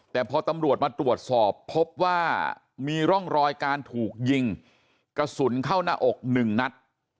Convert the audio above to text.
แต่พอตำรวจมาตรวจสอบพบว่ามีร่องรอยการถูกยิงกระสุนเข้าหน้าอกหนึ่งนัด